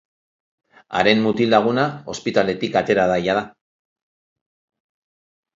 Haren mutil-laguna ospitaletik atera da jada.